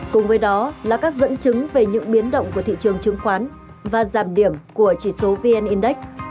cùng với đó là các dẫn chứng về những biến động của thị trường chứng khoán và giảm điểm của chỉ số vn index